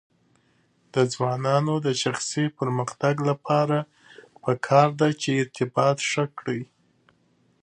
د ځوانانو د شخصي پرمختګ لپاره پکار ده چې ارتباط ښه کړي.